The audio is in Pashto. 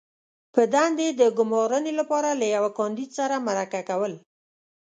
-په دندې د ګمارنې لپاره له یوه کاندید سره مرکه کول